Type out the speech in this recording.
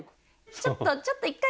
ちょっとちょっと１回。